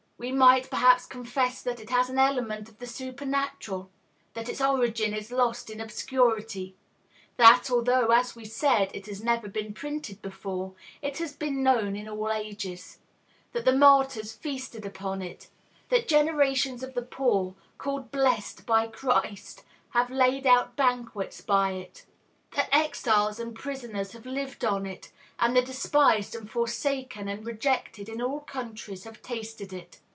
We might, perhaps, confess that it has an element of the supernatural; that its origin is lost in obscurity; that, although, as we said, it has never been printed before, it has been known in all ages; that the martyrs feasted upon it; that generations of the poor, called blessed by Christ, have laid out banquets by it; that exiles and prisoners have lived on it; and the despised and forsaken and rejected in all countries have tasted it.